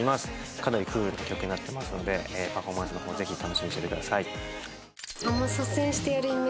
かなりクールな曲になってますのでパフォーマンスの方ぜひ楽しみにしててください。